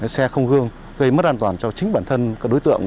xe không gương gây mất an toàn cho chính bản thân các đối tượng